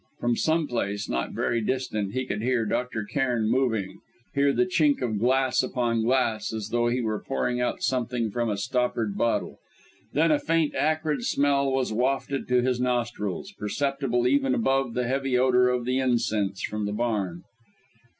From some place, not very distant, he could hear Dr. Cairn moving, hear the chink of glass upon glass, as though he were pouring out something from a stoppered bottle. Then a faint acrid smell was wafted to his nostrils, perceptible even above the heavy odour of the incense from the barn.